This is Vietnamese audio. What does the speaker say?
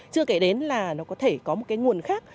chưa kể đến là nó có thể có một cái nguồn khác